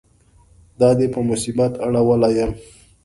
دا دې په مصیبت اړولی یم.